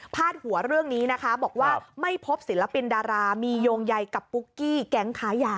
ดหัวเรื่องนี้นะคะบอกว่าไม่พบศิลปินดารามีโยงใยกับปุ๊กกี้แก๊งค้ายา